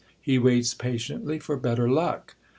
he waits pa tiently for better luck.